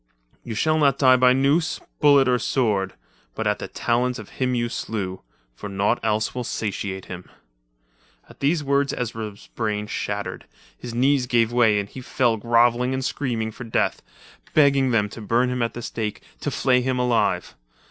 "You shall not die by noose, bullet or sword, but at the talons of him you slew—for naught else will satiate him." At these words Ezra's brain shattered, his knees gave way and he fell grovelling and screaming for death, begging them to burn him at the stake, to flay him alive.